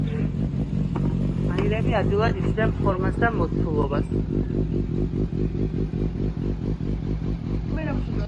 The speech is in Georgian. აირები ადვილად იცვლიან ფორმასა და მოცულობას.